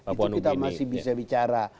itu kita masih bisa bicara